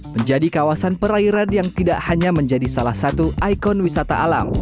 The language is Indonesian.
menjadi kawasan perairan yang tidak hanya menjadi salah satu ikon wisata alam